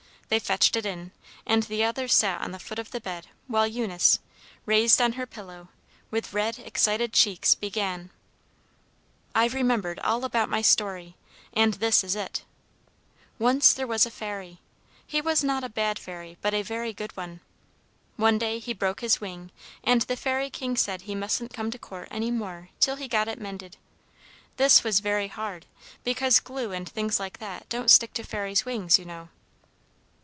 They fetched it in; and the others sat on the foot of the bed while Eunice, raised on her pillow, with red, excited cheeks, began: "I've remembered all about my story, and this is it: Once there was a Fairy. He was not a bad fairy, but a very good one. One day he broke his wing, and the Fairy King said he mustn't come to court any more till he got it mended. This was very hard, because glue and things like that don't stick to Fairies' wings, you know."